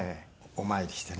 お参りしてね。